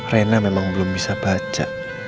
rena memang belum bisa baca